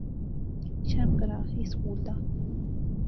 شرم کرا، ایہہ سکول دا